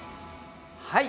はい。